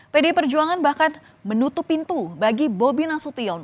pdi perjuangan bahkan menutup pintu bagi bobi nasution